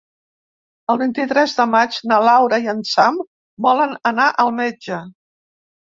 El vint-i-tres de maig na Laura i en Sam volen anar al metge.